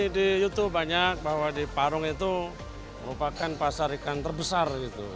di youtube banyak bahwa di parung itu merupakan pasar ikan terbesar